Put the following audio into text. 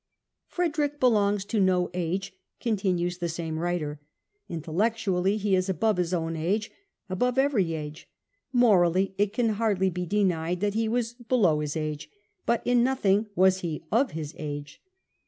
" Frederick belongs to no age," continues the same writer ;" intellectually he is above his own age, above every age ; morally it can hardly be denied that he was below his age ; but in nothing was he of his age."